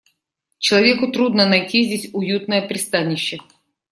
Человеку трудно найти здесь уютное пристанище.